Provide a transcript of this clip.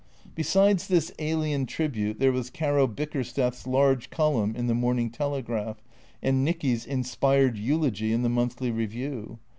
Besides this alien tribute there was Caro Bickersteth's large column in the " Morning Telegraph," and Nicky's inspired eulogy in the " Monthly Eeview."